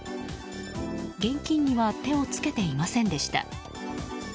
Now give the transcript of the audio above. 現金には手を付けていませんでした。